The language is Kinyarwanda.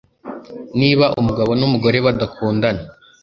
niba umugabo numugore badakundana